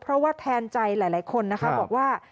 เพราะว่าแทนใจหลายคนนะคะบอกว่า